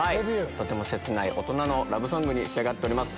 とても切ない大人のラブソングに仕上がっております。